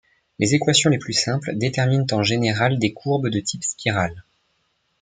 Les équations les plus simples déterminent en général des courbes de type spirale.